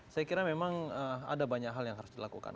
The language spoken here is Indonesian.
saya kira memang ada banyak hal yang harus dilakukan